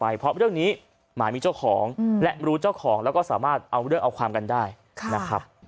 เพราะเรื่องนี้หมายมีเจ้าของและรู้เจ้าของแล้วก็สามารถเอาเรื่องเอาความกันได้นะครับ